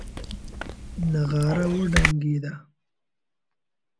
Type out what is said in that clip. نغاره وډنګېده.